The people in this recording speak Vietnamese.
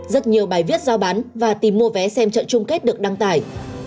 rất nhiều bài viết giao bán và tìm mua vé xem trận chung kết được đăng tải